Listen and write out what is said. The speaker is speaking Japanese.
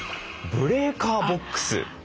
ブレーカーボックス。